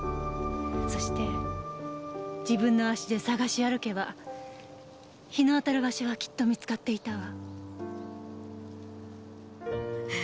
そして自分の足で探し歩けば日の当たる場所はきっと見つかっていたわ。